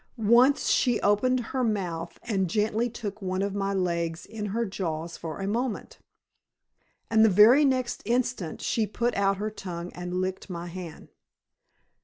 Once she opened Her mouth, and gently took one of my legs in her jaws for a moment; and the very next instant she put out her tongue and licked my hand.